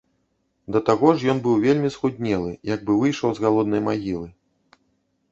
Да таго ж ён быў вельмі схуднелы, як бы выйшаў з галоднай магілы.